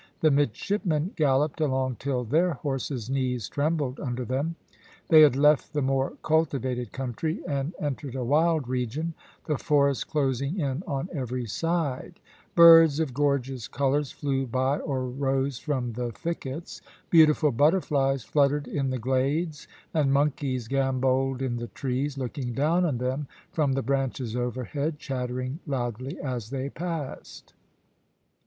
The midshipmen galloped along till their horses' knees trembled under them. They had left the more cultivated country, and entered a wild region, the forest closing in on every side; birds of gorgeous colours flew by or rose from the thickets; beautiful butterflies fluttered in the glades, and monkeys gambolled in the trees, looking down on them from the branches overhead, chattering loudly as they passed.